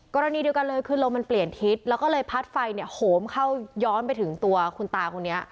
กรณีเดียวกันเลยคือลมมันเปลี่ยนทิศแล้วก็เลยพัดไฟเนี่ยโหมเข้าย้อนไปถึงตัวคุณตาคนนี้